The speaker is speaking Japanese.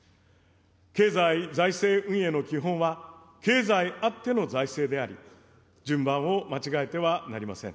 経済財政運営の基本は、経済あっての財政であり、順番を間違えてはなりません。